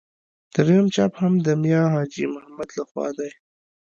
درېیم چاپ هم د میا حاجي محمد له خوا دی.